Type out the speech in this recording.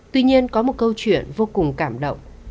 tuy nhiên có một câu chuyện vô cùng cảm động